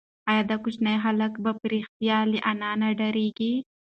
ایا دا کوچنی هلک په رښتیا له انا ډارېږي؟